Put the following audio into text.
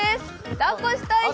だっこしたい人？